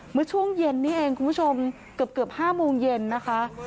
เมื่อช่วงเย็นนี้เองคุณผู้ชมเกือบ๕โมงเย็นนะคะ